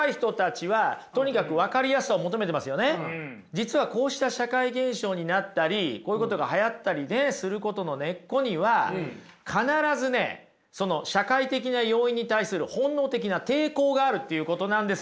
実はこうした社会現象になったりこういうことがはやったりすることの根っこには必ずねその社会的な要因に対する本能的な抵抗があるっていうことなんですよ。